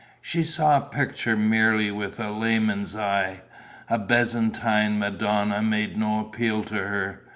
She saw a picture merely with a layman's eye; a Byzantine madonna made no appeal to her.